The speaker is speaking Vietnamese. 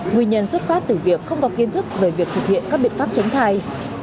nguyên nhân xuất phát từ việc không có kiến thức về việc thực hiện các biện pháp tránh thai